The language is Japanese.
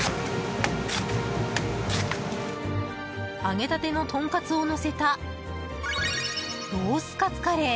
揚げたてのトンカツをのせたロースカツカレー。